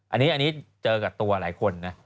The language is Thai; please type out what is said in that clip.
อันตรีเจอกับตัวหลายคน